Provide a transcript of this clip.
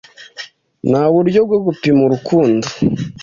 Nta buryo bwo gupima urukundo